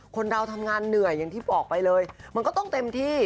คนเราทำงานเหนื่อยอย่างที่บอกไปเลยมันก็ต้องเต็มที่